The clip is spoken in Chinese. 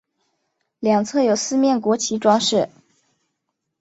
两侧有四面国旗装饰。